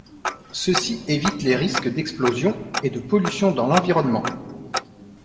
Ceci évite les risques d’explosion et de pollution dans l’environnement.